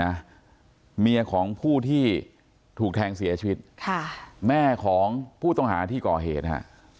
นะเมียของผู้ที่ถูกแทงเสียชีวิตค่ะแม่ของผู้ต้องหาที่ก่อเหตุฮะ